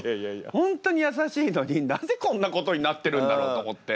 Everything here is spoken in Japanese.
本当に優しいのになぜこんなことになってるんだろうと思って。